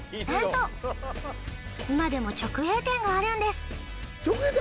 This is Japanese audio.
なんと今でも直営店があるんです